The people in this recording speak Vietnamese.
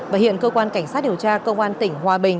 và hiện cơ quan cảnh sát điều tra công an tỉnh hòa bình